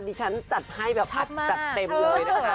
ดิฉันจัดให้อัดเต็มเลยนะคะ